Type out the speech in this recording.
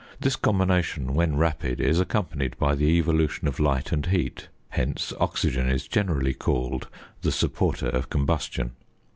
This combination, when rapid, is accompanied by the evolution of light and heat; hence oxygen is generally called the supporter of combustion.